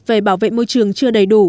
về bảo vệ môi trường chưa đầy đủ